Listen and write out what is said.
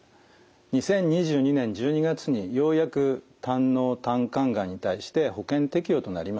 ２０２２年１２月にようやく胆のう・胆管がんに対して保険適用となりました。